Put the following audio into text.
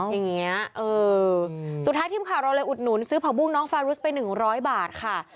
อย่างนี้เออสุดท้ายทีมข่าวเราเลยอุดหนุนซื้อผักบุ้งน้องฟารุสไป๑๐๐บาทค่ะ